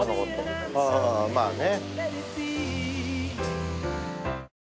ああまあね。